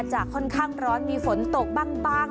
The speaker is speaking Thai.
ค่อนข้างร้อนมีฝนตกบ้าง